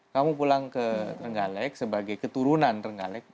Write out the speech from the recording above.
kamu pulang ke trenggalek sebagai keturunan trenggalek